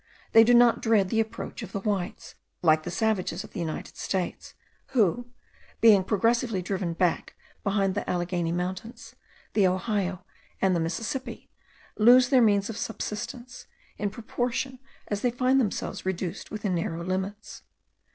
They do not dread the approach of the whites, like the savages of the United States; who, being progressively driven back behind the Alleghany mountains, the Ohio, and the Mississippi, lose their means of subsistence, in proportion as they find themselves reduced within narrow limits.